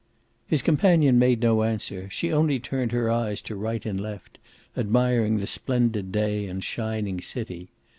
His companion made no answer; she only turned her eyes to right and left, admiring the splendid day and shining city.